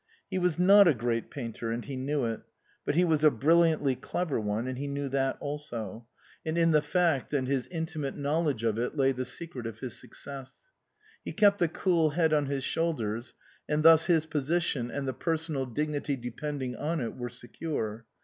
He was not a great painter, and he knew it ; but he was a brilliantly clever one, and he knew that also, and in the fact and 147 THE COSMOPOLITAN his intimate knowledge of it lay the secret of his success. He kept a cool head on his shoulders, and thus his position and the personal dignity depending on it were secure.